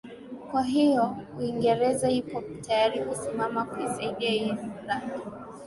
kwa hiyo uingereza ipo tayari kusimama kuisaidia ireland